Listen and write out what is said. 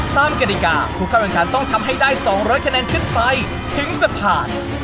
กฎิกาผู้เข้าแข่งขันต้องทำให้ได้๒๐๐คะแนนขึ้นไปถึงจะผ่าน